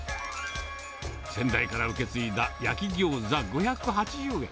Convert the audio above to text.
先代から受け継いだ焼き餃子５８０円。